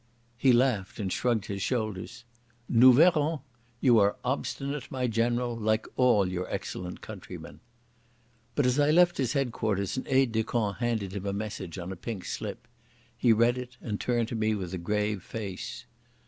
He laughed and shrugged his shoulders. "Nous verrons. You are obstinate, my general, like all your excellent countrymen." But as I left his headquarters an aide de camp handed him a message on a pink slip. He read it, and turned to me with a grave face.